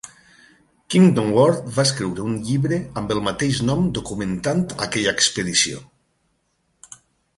Kingdon-Ward va escriure un llibre amb el mateix nom documentant aquella expedició.